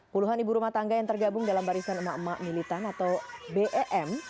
puluhan ibu rumah tangga yang tergabung dalam barisan emak emak militan atau bem